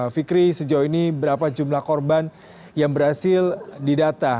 fikri sejauh ini berapa jumlah korban yang berhasil didata